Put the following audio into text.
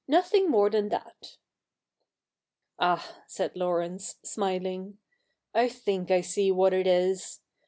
nothing more than that.' ' Ah,' said Laurence, smiling, ' I think I see what it is.